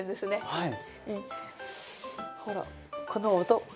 はい。